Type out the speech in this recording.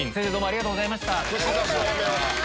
ありがとうございます。